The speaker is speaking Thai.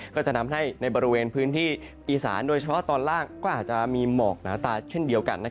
ก็จะทำให้ในบริเวณพื้นที่อีสานโดยเฉพาะตอนล่างก็อาจจะมีหมอกหนาตาเช่นเดียวกัน